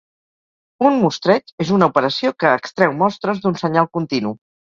Un mostreig és una operació que extreu mostres d'un senyal continu.